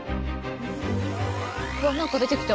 わっ何か出てきた。